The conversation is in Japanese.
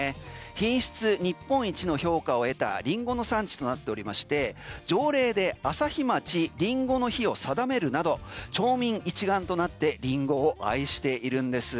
品質日本一の評価を得たリンゴの産地となっておりまして条例で朝日町りんごの日を定めるなど町民一丸となってリンゴを愛しているんです。